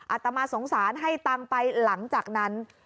อาตมาสงสารให้ตังค์ไปหลังจากนั้น